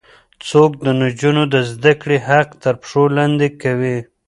څوک د نجونو د زده کړې حق تر پښو لاندې کوي؟